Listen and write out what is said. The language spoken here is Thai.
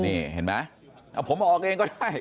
นี่เห็นมั้ยเอาผมออกเองก็ได้